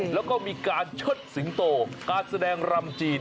แล้วก็มีการเชิดสิงโตการแสดงรำจีน